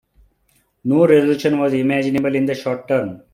No resolution was imaginable in the short term.